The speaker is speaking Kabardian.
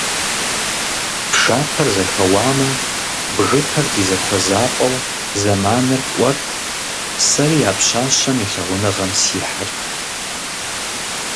Пшапэр зэхэуамэ, бгыпэр ди зэхуэзапӀэу зэманыр кӀуэрт, сэри а пщащэм и лъагъуныгъэм сихьырт.